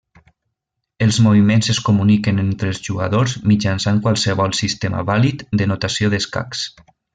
Els moviments es comuniquen entre els jugadors mitjançant qualsevol sistema vàlid de notació d'escacs.